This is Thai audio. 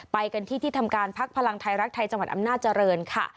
ไปกันที่ที่ทำการพักพลังไทยรักไทยจังหวัดอำนาจริงค่ะ